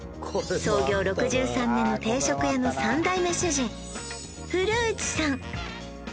創業６３年の定食屋の３代目主人古内さん